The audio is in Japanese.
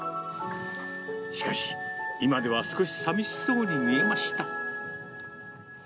しかし、今では少し寂しそうに見えました。